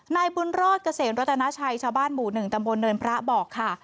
นายบุญรอดเกษมรัตนาชัยชาวบ้านหมู่๑ตำบลเนินพระบอกค่ะ